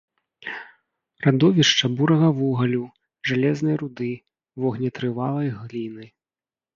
Радовішча бурага вугалю, жалезнай руды, вогнетрывалай гліны.